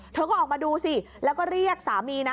เธอก็ออกมาดูสิแล้วก็เรียกสามีนะ